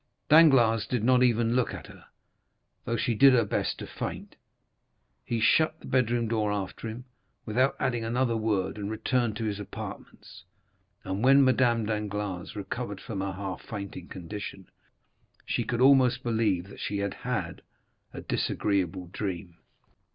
Danglars did not even look at her, though she did her best to faint. He shut the bedroom door after him, without adding another word, and returned to his apartments; and when Madame Danglars recovered from her half fainting condition, she could almost believe that she had had a disagreeable dream.